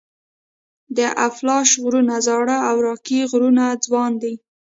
د اپلاش غرونه زاړه او راکي غرونه ځوان دي.